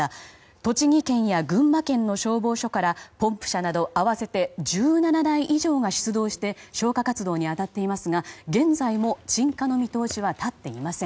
栃木県や群馬県の消防署からポンプ車など１７台以上が出動して消火活動に当たっていますが現在も鎮火の見通しは立っていません。